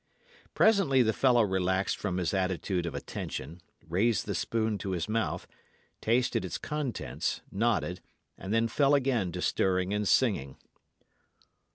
Presently the fellow relaxed from his attitude of attention, raised the spoon to his mouth, tasted its contents, nodded, and then fell again to stirring and singing.